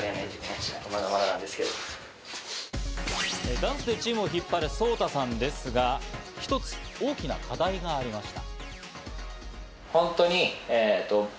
ダンスでチームを引っ張るソウタさんですが、１つ、大きな課題がありました。